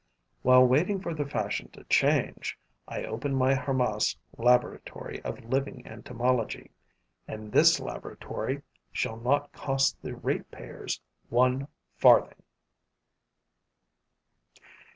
While waiting for the fashion to change, I open my harmas laboratory of living entomology; and this laboratory shall not cost the ratepayers one farthing.